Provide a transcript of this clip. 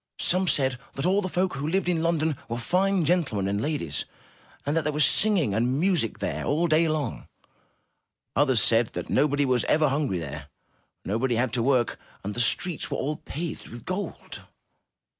Some said that all the folk who lived in London were fine gentlemen and ladies, and that there was singing and music there all day long; others said that nobody was ever hungry there, nobody 7^ 329 MY BOOK HOUSE had to work, and the streets were all paved with gold.